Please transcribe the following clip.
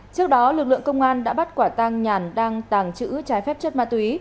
trước đó lực lượng công an đã bắt quả tang nhàn đang tàng trữ trái phép chất ma túy